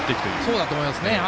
そうだと思います。